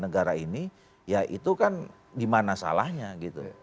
negara ini ya itu kan gimana salahnya gitu